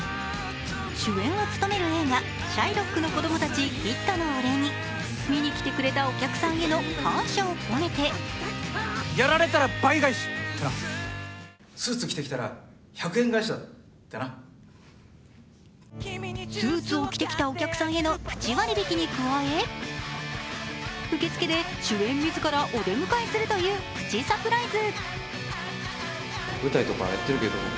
主演を務める映画「シャイロックの子供たち」ヒットのお礼に見に来てくれたお客さんへの感謝を込めてスーツを着てきたお客さんへのプチ割引に加え受付で主演自らお出迎えするというプチサプライズ。